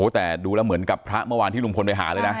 แต่ดูแล้วเหมือนกับพระเมื่อวานที่ลุงพลไปหาเลยนะ